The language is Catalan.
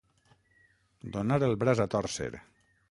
Donar el braç a tòrcer.